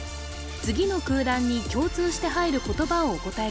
次の空欄に共通して入る言葉をお答え